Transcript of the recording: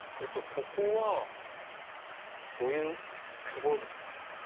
ここはどういう所ですか？